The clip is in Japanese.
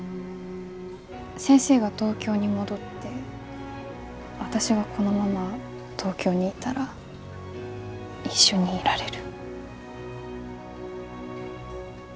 先生が東京に戻って私がこのまま東京にいたら一緒にいられる。